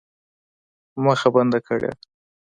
مخه بنده کړې وه.